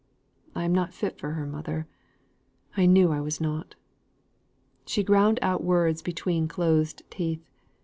"I am not fit for her, mother; I knew I was not." She ground out words between her closed teeth.